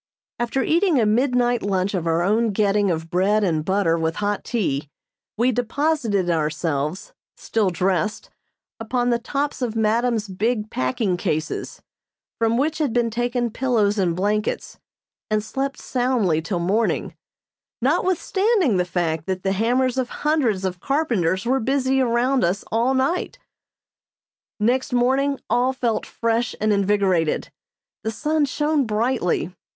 After eating a midnight lunch of our own getting of bread and butter with hot tea, we deposited ourselves, still dressed, upon the tops of madam's big packing cases, from which had been taken pillows and blankets, and slept soundly till morning, notwithstanding the fact that the hammers of hundreds of carpenters were busy around us all night. Next morning all felt fresh and invigorated. The sun shone brightly.